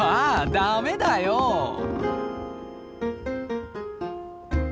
ダメだよお！